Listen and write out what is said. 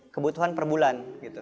kebutuhan per bulan